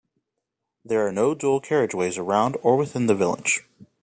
There are no dual carriageways around or within the village.